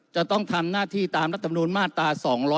จะต้องทำหน้าที่ตามรัฐบุรุณมาตร๒๗๒